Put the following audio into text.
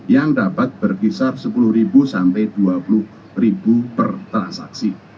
yang dapat berkisar sepuluh sampai rp dua puluh per transaksi